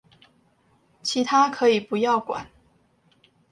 其他可以不要管